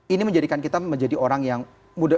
ini menjadikan kita menjadi orang yang muda